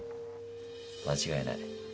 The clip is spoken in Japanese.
間違いない。